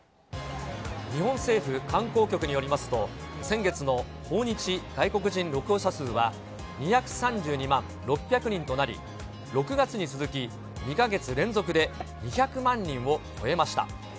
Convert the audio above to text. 日本政府観光局によりますと、先月の訪日外国人旅行者数は、２３２万６００人となり、６月に続き２か月連続で２００万人を超えました。